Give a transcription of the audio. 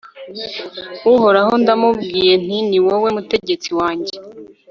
uhoraho ndamubwiye nti ni wowe mutegetsi wanjye